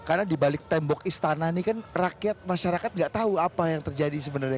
karena di balik tembok istana ini kan rakyat masyarakat nggak tahu apa yang terjadi sebenarnya